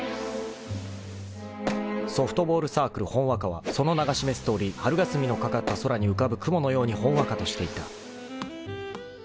［ソフトボールサークルほんわかはその名が示すとおり春がすみのかかった空に浮かぶ雲のようにほんわかとしていた］